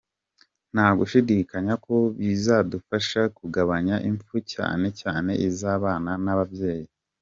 Nta gushidikanya ko bizadufasha kugabanya imfu cyane cyane iz’abana n’ababyeyi”.